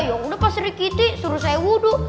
yaudah pak sri kiti suruh saya wudhu